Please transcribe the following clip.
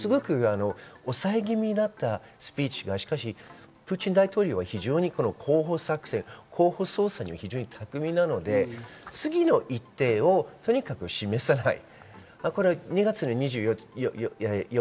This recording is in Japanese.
抑え気味だったスピーチがしかし、プーチン大統領は広報作戦、操作がたくみなので次の一手をとにかく示さない。